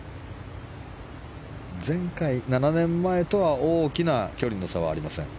前回、７年前とは大きな距離の差はありません。